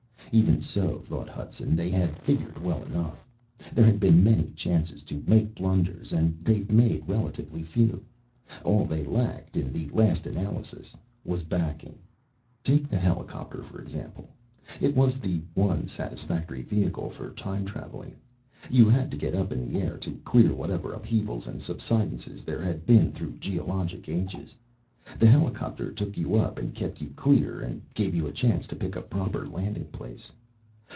Even so, thought Hudson, they had figured well enough. There had been many chances to make blunders and they'd made relatively few. All they lacked, in the last analysis, was backing. Take the helicopter, for example. It was the one satisfactory vehicle for time traveling. You had to get up in the air to clear whatever upheavals and subsidences there had been through geologic ages. The helicopter took you up and kept you clear and gave you a chance to pick a proper landing place.